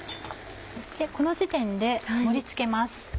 この時点で盛り付けます。